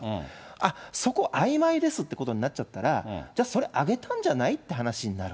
あっ、そこはあいまいですってことになっちゃったら、じゃあそれ、あげたんじゃない？っていう話になる。